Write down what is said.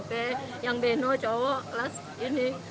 bang beno cowok kelas ini